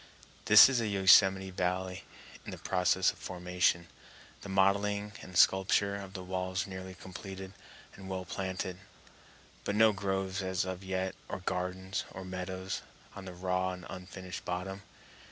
This is a Yosemite Valley in process of formation, the modeling and sculpture of the walls nearly completed and well planted, but no groves as yet or gardens or meadows on the raw and unfinished bottom.